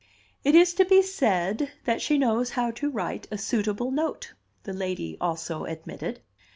"It is to be said that she knows how to write a suitable note," the lady also admitted.